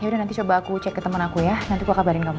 ya udah nanti coba aku cek ke temen aku ya nanti aku akan kabarin kamu